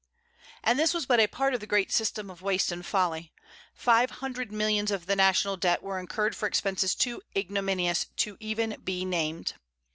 And this was but a part of the great system of waste and folly. Five hundred millions of the national debt were incurred for expenses too ignominious to be even named.